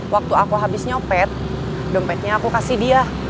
waktu aku habis nyopet dompetnya aku kasih dia